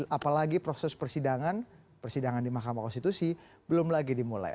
apalagi proses persidangan persidangan di mahkamah konstitusi belum lagi dimulai